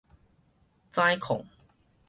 指控